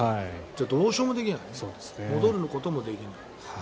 どうしようもできないね戻ることもできない。